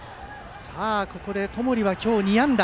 ここで友利は今日２安打。